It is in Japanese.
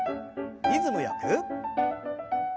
リズムよく。